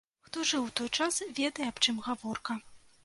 Хто жыў у той час, ведае аб чым гаворка.